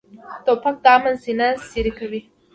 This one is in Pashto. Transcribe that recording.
توپک د امن سینه څیرې کوي.